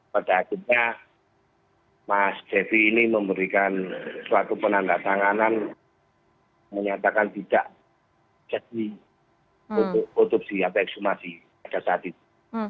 pada akhirnya mas devi ini memberikan suatu penanda tanganan menyatakan tidak jadi untuk otopsi atau ekshumasi pada saat itu